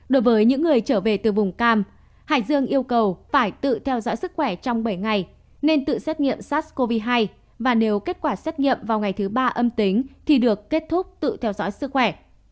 đối với những người trở về từ vùng cam hải dương yêu cầu phải tự theo dõi sức khỏe trong bảy ngày nên tự xét nghiệm sars cov hai và nếu kết quả xét nghiệm vào ngày thứ ba âm tính thì được kết thúc tự theo dõi sức khỏe